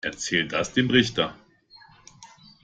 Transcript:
Erzähl das dem Richter.